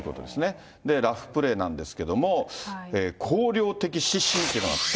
ラフプレーなんですけども、綱領的指針というのがあって。